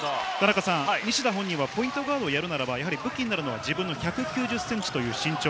西田本人はポイントガードをやるならば武器になるのは自分の１９０ｃｍという身長。